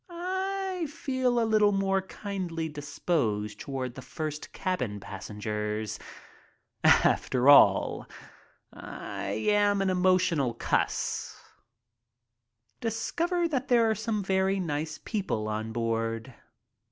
I feel a little more kindly disposed toward the first cabin passengers. After all, I am an emotional cuss. Discover that there are some very nice people on board.